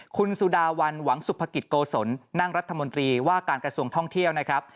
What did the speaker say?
คุณสุดาวันหวังสุภกิจโกศลนั่งรัฐมนตรีว่าการกระทรวงท่องเที่ยวนะครับ